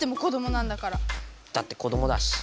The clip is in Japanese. だって子どもだし。